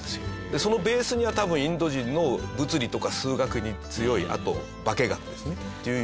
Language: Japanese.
そのベースには多分インド人の物理とか数学に強いあと化学ですね。